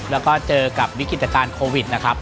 แล้วก็เจอกับวิกฤตการณ์โควิดนะครับ